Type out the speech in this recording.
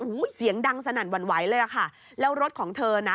โอ้โหเสียงดังสนั่นหวั่นไหวเลยอ่ะค่ะแล้วรถของเธอนะ